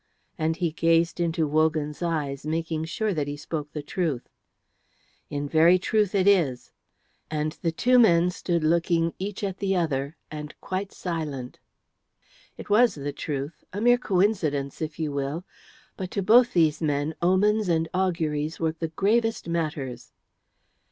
and he gazed into Wogan's eyes, making sure that he spoke the truth. "In very truth it is," and the two men stood looking each at the other and quite silent. It was the truth, a mere coincidence if you will, but to both these men omens and auguries were the gravest matters.